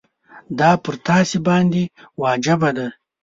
دا پر تاسي باندي واجبه ده.